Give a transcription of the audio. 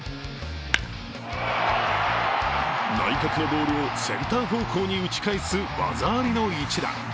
内角のボールをセンター方向に打ち返す技ありの一打。